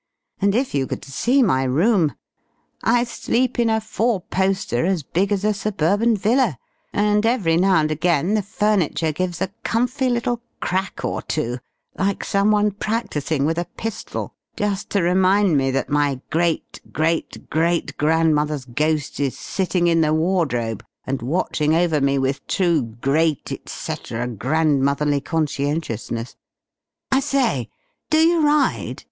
And if you could see my room! I sleep in a four poster as big as a suburban villa, and every now and again the furniture gives a comfy little crack or two, like someone practising with a pistol, just to remind me that my great great great grandmother's ghost is sitting in the wardrobe and watching over me with true great etc. grandmotherly conscientiousness.... I say, do you ride?